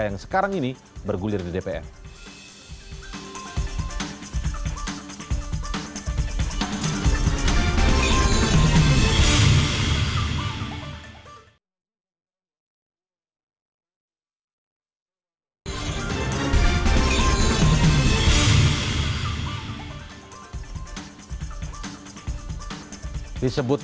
yang sekarang ini bergulir di dpr